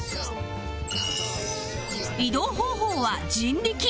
移動方法は人力